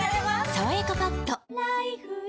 「さわやかパッド」